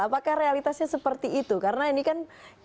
apakah realitasnya seperti itu karena ini kan